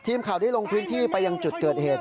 ทีมข่าวได้ลงพื้นที่ไปยังจุดเกิดเหตุ